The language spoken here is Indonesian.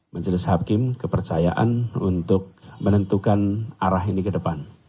majelis hakim kepercayaan untuk menentukan arah ini ke depan